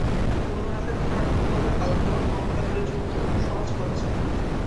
ঘুমানোর আগে খাবার হতে হবে হালকা, কম ক্যালরিযুক্ত ও সহজ পাচ্য।